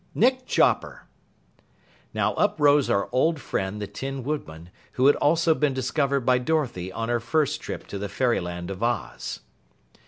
"Nick Chopper!" Now up rose our old friend the Tin Woodman, who had also been discovered by Dorothy on her first trip to the Fairyland of Oz.